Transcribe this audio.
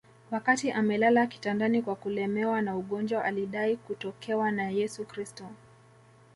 wakati amelala kitandani kwa kulemewa na ugonjwa alidai kutokewa na Yesu Kristo